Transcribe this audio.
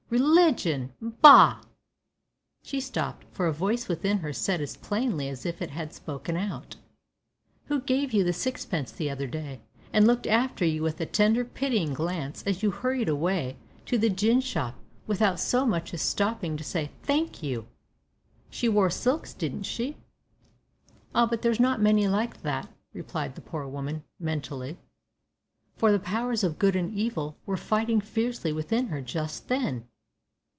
Religion! bah!" She stopped, for a Voice within her said as plainly as if it had spoken out: "Who gave you the sixpence the other day, and looked after you with a tender, pitying glance as you hurried away to the gin shop without so much as stopping to say `Thank you'? She wore silks, didn't she?" "Ah, but there's not many like that," replied the poor woman, mentally, for the powers of good and evil were fighting fiercely within her just then.